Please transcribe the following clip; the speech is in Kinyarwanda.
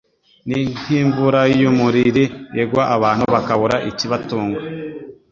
ni nk’imvura y’umuriri igwa abantu bakabura ikibatunga